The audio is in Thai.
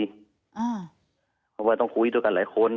เพราะว่าต้องคุยด้วยกันหลายคน